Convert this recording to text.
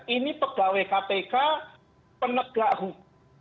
ini pegawai kpk penegak hukum